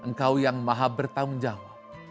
engkau yang maha bertanggung jawab